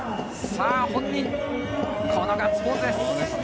このガッツポーズです。